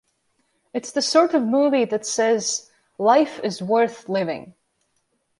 It's the sort of movie that says: Life is worth living.